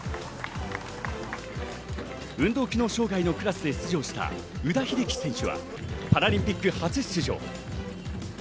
運動機能障がいのクラスで出場した宇田秀生選手はパラリンピック初出場。